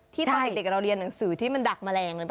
ที่ตอนเด็กกับเราเรียนหนังสือที่มันดักแมลงเลยป่าว